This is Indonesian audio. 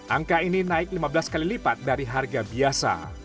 angka ini naik lima belas kali lipat dari harga biasa